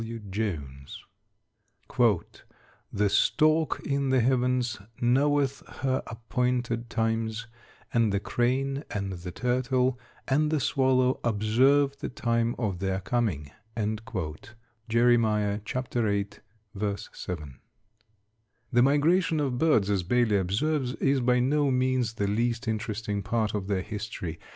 B. W. JONES. "The stork in the heavens knoweth her appointed times; and the crane, and the turtle, and the swallow observe the time of their coming." Jer. 8: 7. The migration of birds, as Baily observes, is by no means the least interesting part of their history.